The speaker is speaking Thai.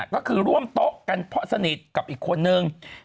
ก็คือร่วมโต๊ะกันเพราะสนิทกับอีกคนนึง